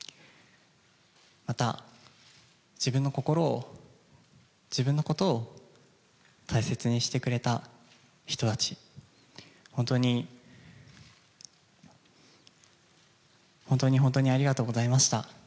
また自分の心を、自分のことを大切にしてくれた人たち、本当に、本当に、本当にありがとうございました。